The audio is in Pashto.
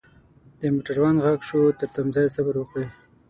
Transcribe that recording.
دموټروان ږغ شو ترتمځای صبروکړئ.